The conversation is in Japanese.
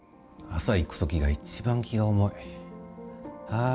朝行く時が一番気が重い。